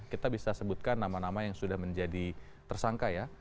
kita bisa sebutkan nama nama yang sudah menjadi tersangka ya